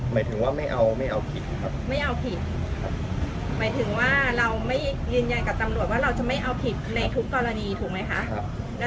หมายถึงว่าไม่เอาไม่เอาผิดครับไม่เอาผิดหมายถึงว่าเราไม่ยืนยันกับตำรวจว่าเราจะไม่เอาผิดในทุกกรณีถูกไหมคะ